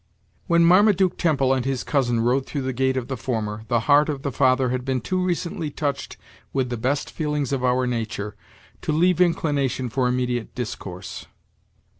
When Marmaduke Temple and his cousin rode through the gate of the former, the heart of the father had been too recently touched with the best feelings of our nature, to leave inclination for immediate discourse.